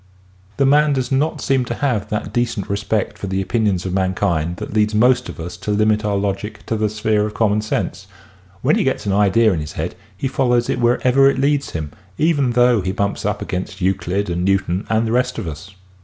The man does not seem to have that decent re 40 EASY LESSONS IN EINSTEIN spect for the opinions of mankind that leads most of us to limit our logic to the sphere of common sense. When he gets an idea in his head he follows it wher ever it leads him even though he bumps up against Euclid and Newton and the rest of us.